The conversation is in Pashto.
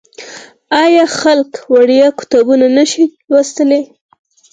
آیا خلک وړیا کتابونه نشي لوستلی؟